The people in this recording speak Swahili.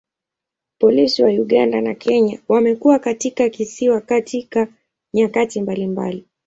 Polisi wa Uganda na Kenya wamekuwa katika kisiwa katika nyakati mbalimbali.